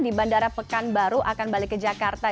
di bandara pekanbaru akan balik ke jakarta